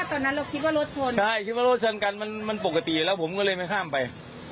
โรคชนว่าโรคชนกันมันปกติแล้วผมมันไม่ข้ามไป